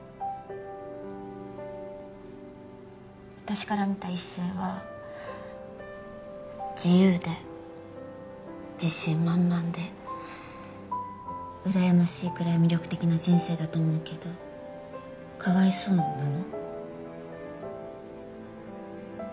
私から見た一星は自由で自信満々でうらやましいくらい魅力的な人生だと思うけどかわいそうなの？